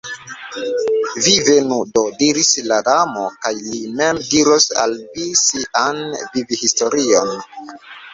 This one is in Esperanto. "Vi venu, do," diris la Damo, "kaj li mem diros al vi sian vivhistorion."